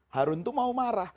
harun itu mau marah